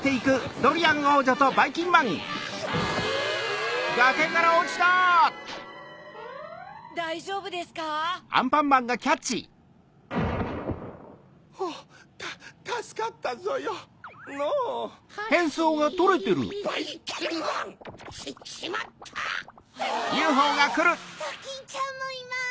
ドキンちゃんもいます！